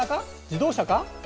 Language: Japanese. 自動車か？